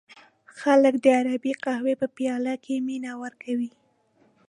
خلک د عربی قهوې په پیاله کې مینه ورکوي.